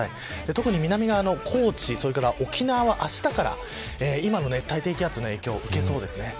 特に南側の高知沖縄はあしたから熱帯低気圧の影響を受けそうです。